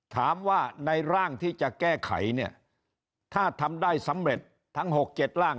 ถามว่าในร่างที่จะแก้ไขเนี่ยถ้าทำได้สำเร็จทั้ง๖๗ร่าง